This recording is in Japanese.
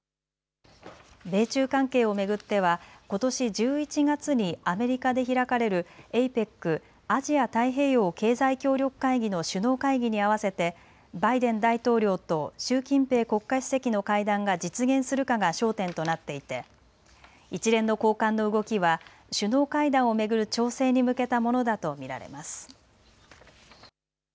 米中関係を巡ってはことし１１月にアメリカで開かれるＡＰＥＣ・アジア太平洋経済協力会議の首脳会議に合わせてバイデン大統領と習近平国家主席の会談が実現するかが焦点となっていて一連の高官の動きは首脳会談を巡る調整に向けたものだと見られます。